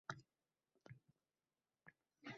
Oʻyladi, oʻyladi va oxiri oʻzicha bir yoʻl topdi